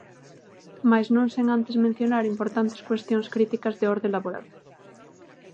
Mais non sen antes mencionar importantes cuestións críticas de orde laboral.